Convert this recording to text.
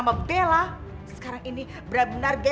seperti lembu leben